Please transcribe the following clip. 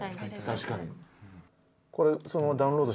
確かに。